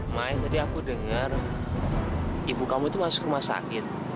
main jadi aku dengar ibu kamu itu masuk rumah sakit